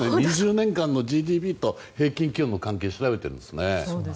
２０年間のＧＤＰと家計の消費を調べているんですね。